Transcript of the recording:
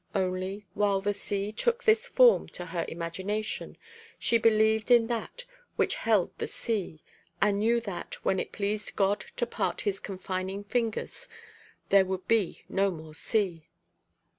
Only, while the sea took this form to her imagination, she believed in that which held the sea, and knew that, when it pleased God to part his confining fingers, there would be no more sea.